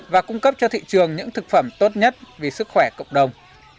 và cung cấp cho thị trường những thực phẩm tốt nhất vì sức khỏe cộng đồng